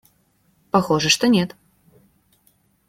Похоже, что нет.